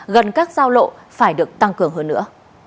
gần các giao lộ phải được tăng cường hơn nữa